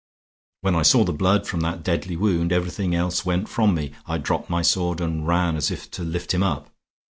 When I saw the blood from that deadly wound, everything else went from me; I dropped my sword and ran as if to lift him up.